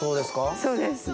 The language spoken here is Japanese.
そうですね。